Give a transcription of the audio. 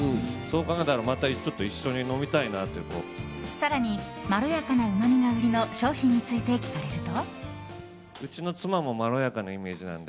更に、まろやかなうまみが売りの商品について聞かれると。